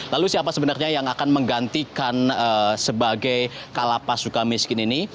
lalu siapa sebenarnya yang akan menggantikan sebagai kalapas suka miskin ini